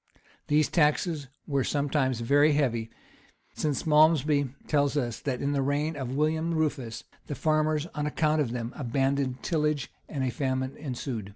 These taxes were sometimes very heavy; since Malmsbury tells us that, in the reign of William Rufus, the farmers, on account of them, abandoned tillage, and a famine ensued.